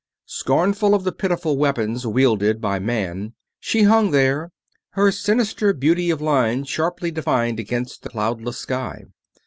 Scornful of the pitiful weapons wielded by man, she hung there, her sinister beauty of line sharply defined against the cloudless sky.